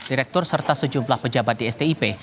direktur serta sejumlah pejabat di stip